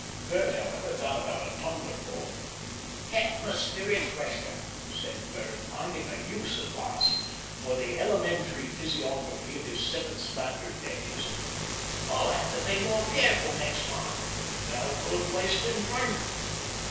Bert, however, got about a tumblerful. "Atmospheric pressure," said Bert, finding a use at last for the elementary physiography of his seventh standard days. "I'll have to be more careful next time. No good wastin' drink."